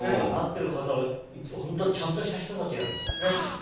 なってる方、本当はちゃんとした人たちなんですね。